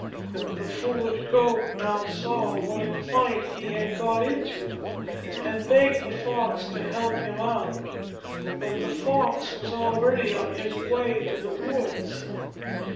The foolish Goat now saw what a plight he had got into, and begged the Fox to help him out. But the Fox was already on his way to the woods.